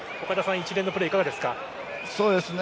一連のプレーいかがですか？